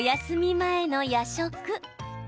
前の夜食。